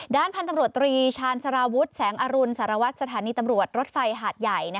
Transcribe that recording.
ด้านพันธุ์ตำรวจตรีชาญสารวุฒิแสงอรุณสารวัตรสถานีตำรวจรถไฟหาดใหญ่